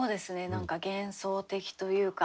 何か幻想的というか。